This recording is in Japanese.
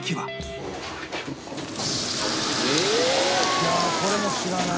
いやあこれも知らない。